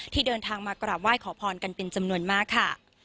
เดินทางมากราบไหว้ขอพรกันเป็นจำนวนมากค่ะ